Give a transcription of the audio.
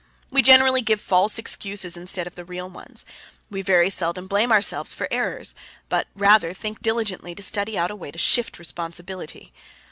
We generally give false excuses instead of the real ones. We very seldom blame ourselves for errors, but rather think diligently to study out a way to shift responsibility.